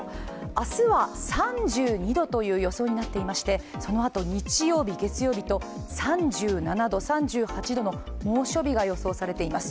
明日は、３２度という予想になっていまして、そのあと日曜日月曜日と３７度、３８度の猛暑日が予想されています。